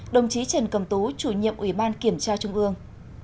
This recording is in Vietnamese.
đồng chí trần cầm tú chủ nhiệm ủy ban kiểm tra trung ương